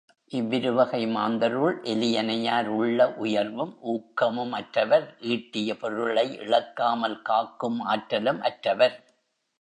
இவ்விருவகை மாந்தருள், எலியனையார், உள்ள உயர்வும், ஊக்கமும் அற்றவர் ஈட்டிய பொருளை இழக்காமல் காக்கும் ஆற்றலும் அற்றவர்.